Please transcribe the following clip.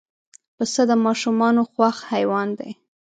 پسه د ماشومانو خوښ حیوان دی.